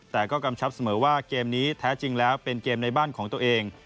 แต่ก็กำชับเสมอว่าเกมนี้แท้จริงแล้วเป็นเกมในบ้านของตัวเอง